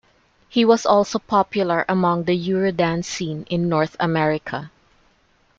He was also popular among the Eurodance scene in North America.